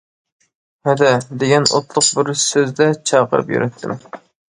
«ھەدە» دېگەن ئوتلۇق بىر سۆزدە چاقىرىپ يۈرەتتىم.